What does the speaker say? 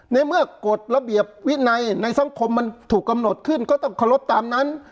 ในเมื่อกฎระเบียบวินัยในสังคมมันถูกกำหนดขึ้นก็ต้องเคารพตามนั้น